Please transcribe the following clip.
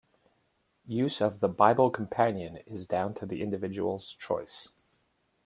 Use of the 'Bible Companion' is down to the individual's choice.